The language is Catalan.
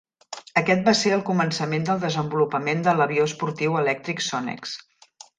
Aquest va ser el començament del desenvolupament de l'avió esportiu elèctric Sonex.